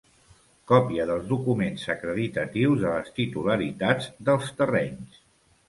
Còpia dels documents acreditatius de les titularitats dels terrenys.